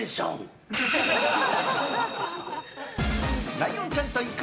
ライオンちゃんと行く！